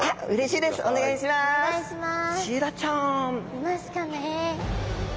いますかね？